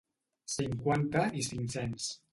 Cinquanta i cinc-cents.